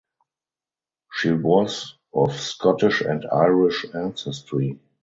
She was of Scottish and Irish ancestry.